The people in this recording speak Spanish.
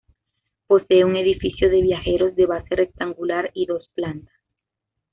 Posee un edificio de viajeros de base rectangular y dos plantas.